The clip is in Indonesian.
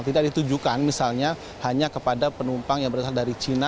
tidak ditujukan misalnya hanya kepada penumpang yang berasal dari cina